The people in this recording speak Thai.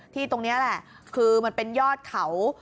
ตรงนี้แหละคือมันเป็นยอดเขา